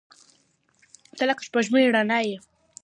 • ته لکه د سپوږمۍ رڼا یې.